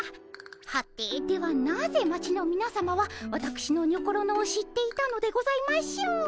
はてではなぜ町のみなさまはわたくしのにょころのを知っていたのでございましょう？